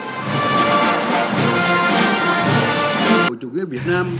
chủ tịch nước cộng hòa xã hội chủ nghĩa việt nam xin tuyên thệ